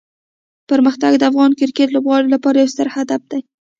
پرمختګ د افغان کرکټ لوبغاړو لپاره یو ستر هدف دی.